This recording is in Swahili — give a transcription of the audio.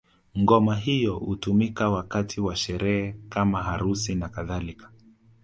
Ngoma hiyo hutumika wakati wa sherehe kama harusi na kadhalika